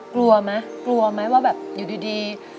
กลัวไหมกลัวไหมว่าแบบอยู่ดี